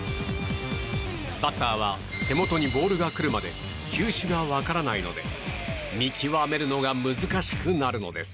バッターは手元にボールが来るまで球種が分からないので見極めるのが難しくなるのです。